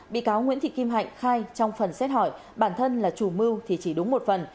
bị cáo nguyễn thị kim hạnh khai trong phần xét hỏi bản thân là chủ mưu thì chỉ đúng một phần